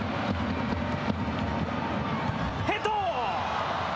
ヘッド！